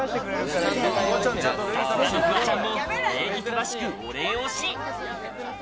さすがのフワちゃんも礼儀正しくお礼をし。